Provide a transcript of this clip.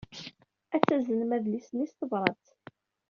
Ad taznem adlis-nni s tebṛat.